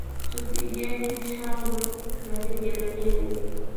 Tupigeni shangwe na vigelegele.